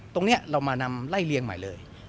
ตรงนี้เรามานำไล่เลียงใหม่เลย